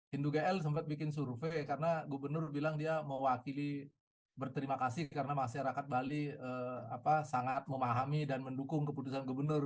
hindu gl sempat bikin survei karena gubernur bilang dia mewakili berterima kasih karena masyarakat bali sangat memahami dan mendukung keputusan gubernur